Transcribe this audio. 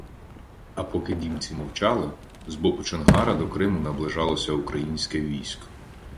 А поки німці мовчали, з боку Чонгара до Криму наближалося українське військо.